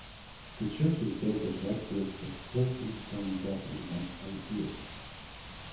The church is built of red brick with Portland stone dressings and slate roofs.